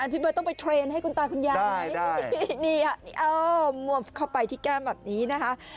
พี่เบิร์ตต้องไปเทรนด์ให้คุณตาคุณยายนี่เออมวมเข้าไปที่แก้มแบบนี้นะคะ